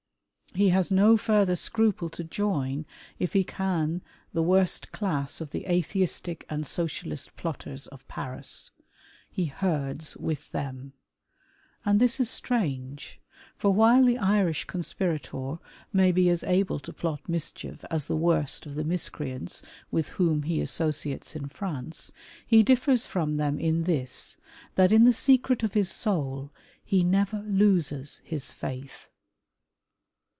He has no further scruple to join if he can the worst class of the Atheistic and Socialist plotters of Paris. He herds with them. And this is strange, for while the Irish conspirator may be as able to plot mischief as the worst of the miscreants with whom he associates in France, he differs from them in this, that in the secret of his soul he never loses his Faith.